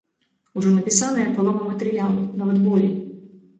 Ужо напісаная палова матэрыялу, нават, болей.